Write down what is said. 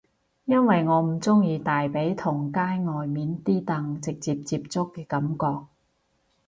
因為我唔鍾意大髀同街外面啲凳直接接觸嘅感覺